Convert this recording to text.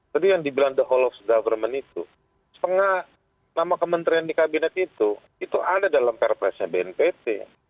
tadi yang dibilang the whole of government itu setengah nama kementerian di kabinet itu itu ada dalam perpresnya bnpt